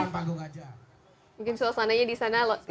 mungkin suasananya di sana